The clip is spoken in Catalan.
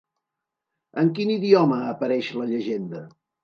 En quin idioma apareix la llegenda?